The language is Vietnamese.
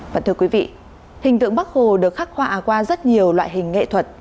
và thưa quý vị hình tượng bắc hồ được khắc họa qua rất nhiều loại hình nghệ thuật